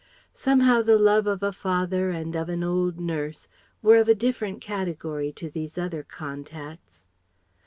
Somehow the love of a father and of an old nurse were of a different category to these other contacts.